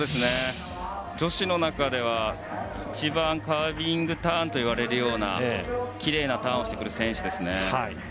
女子の中では、一番カービングターンといわれるようなきれいなターンをしてくる選手ですね。